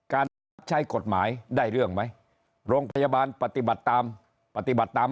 บังคับใช้กฎหมายได้เรื่องไหมโรงพยาบาลปฏิบัติตามปฏิบัติตาม